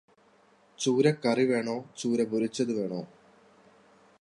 ചൂരക്കറി വേണോ ചൂര പൊരിച്ചതു വേണോ?